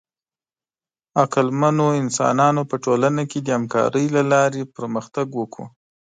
عقلمنو انسانانو په ټولنه کې د همکارۍ له لارې پرمختګ وکړ.